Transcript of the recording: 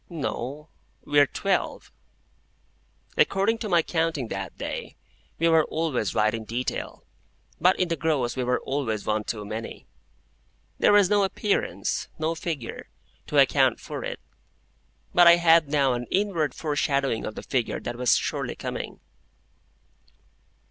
No. We are twelve." According to my counting that day, we were always right in detail, but in the gross we were always one too many. There was no appearance—no figure—to account for it; but I had now an inward foreshadowing of the figure that was surely coming.